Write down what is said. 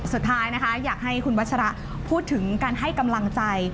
สุดท้ายนะคะอยากให้คุณวัชระพูดถึงการให้กำลังใจ